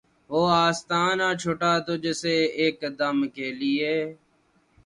وہ آستاں نہ چھٹا تجھ سے ایک دم کے لیے